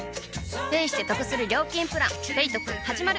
ペイしてトクする料金プラン「ペイトク」始まる！